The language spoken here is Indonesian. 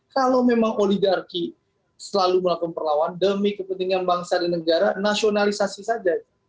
kalau memang oligarki selalu melakukan perlawan demi kepentingan bangsa dan negara nasionalisasi saja